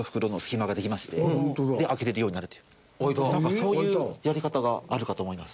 そういうやり方があるかと思います。